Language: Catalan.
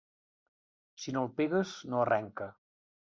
Si no el pegues, no arrenca.